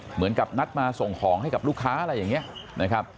เหมือนกับนัดมาส่งของให้กับลูกค้าอะไรอย่างนี้นะครับ